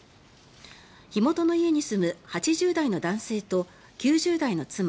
火元の家に住む８０代の男性と９０代の妻